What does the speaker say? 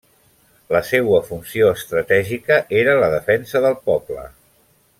La seua funció estratègica era la defensa del poble.